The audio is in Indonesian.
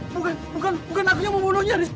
bukan bukan bukan aku yang membunuhnya haris